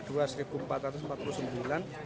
dan juga untuk kpu dprd provinsi